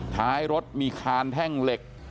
ท้ายรถมีคานแท่งเหล็ก